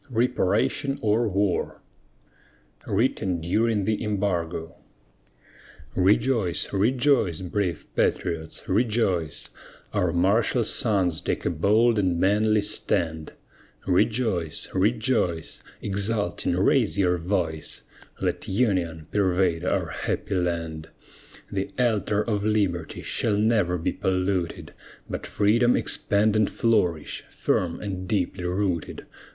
REPARATION OR WAR WRITTEN DURING THE EMBARGO Rejoice, rejoice, brave patriots, rejoice! Our martial sons take a bold and manly stand! Rejoice, rejoice, exulting raise your voice, Let union pervade our happy land. The altar of Liberty shall never be polluted, But freedom expand and flourish, firm and deeply rooted.